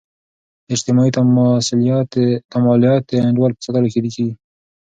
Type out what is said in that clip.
اجتماعي تعاملثبات د انډول په ساتلو کې کیږي.